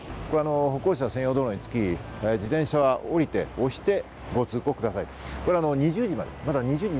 歩行者専用道路につき自転車は降りて、押してご通行ください。